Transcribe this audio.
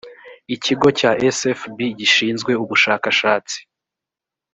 ikigo cya sfb gishinzwe ubushakashatsi